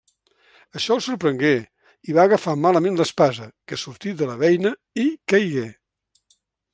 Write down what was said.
Això el sorprengué i va agafar malament l'espasa, que sortí de la beina i caigué.